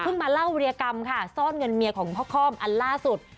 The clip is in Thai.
มาเล่าเรียกรรมค่ะซ่อนเงินเมียของพ่อคอมอันล่าสุด